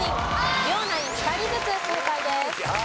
両ナイン２人ずつ正解です。